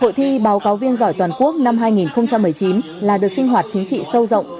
hội thi báo cáo viên giỏi toàn quốc năm hai nghìn một mươi chín là đợt sinh hoạt chính trị sâu rộng